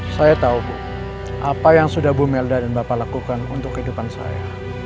saya tahu bu apa yang sudah bu melda dan bapak lakukan untuk kehidupan saya